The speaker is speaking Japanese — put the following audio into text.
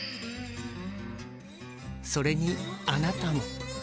それにあなたも。